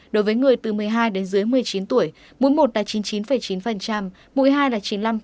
đối với người từ một mươi hai đến dưới một mươi chín tuổi mũi một là chín mươi chín chín mũi hai là chín mươi năm